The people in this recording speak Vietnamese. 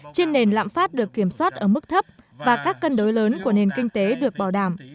trên nền lạm phát được kiểm soát ở mức thấp và các cân đối lớn của nền kinh tế được bảo đảm